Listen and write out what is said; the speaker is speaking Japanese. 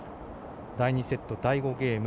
第２セット第５ゲーム。